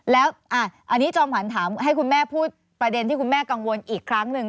แล้วอันนี้จอมขวัญถามให้คุณแม่พูดประเด็นที่คุณแม่กังวลอีกครั้งหนึ่ง